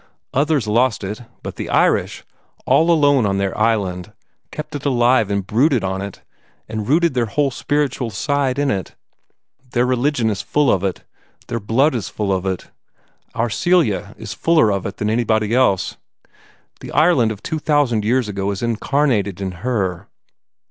Others lost it, but the Irish, all alone on their island, kept it alive and brooded on it, and rooted their whole spiritual side in it. Their religion is full of it; their blood is full of it; our Celia is fuller of it than anybody else. The Ireland of two thousand years ago is incarnated in her.